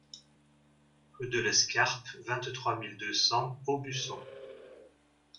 Rue de l'Escarpe, vingt-trois mille deux cents Aubusson